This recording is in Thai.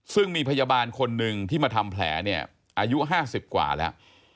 ซึ่งมีพยาบาลคนหนึ่งที่มาทำแผลเนี่ยอายุ๕๐กว่าแล้ว